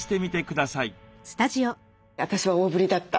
私は大ぶりだった。